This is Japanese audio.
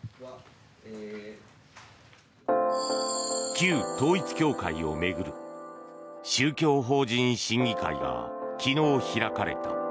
旧統一教会を巡る宗教法人審議会が昨日開かれた。